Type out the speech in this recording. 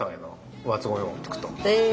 へえ。